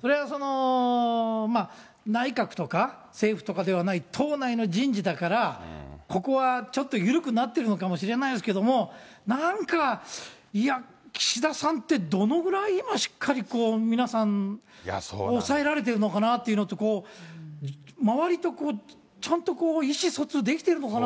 それは内閣とか政府とかではない、党内の人事だから、ここはちょっと緩くなってるのかもしれないですけども、なんか、いや、岸田さんってどのくらい今しっかり皆さんを抑えられてるのかなと、周りとこう、ちゃんとこう、意思疎通できてるのかな。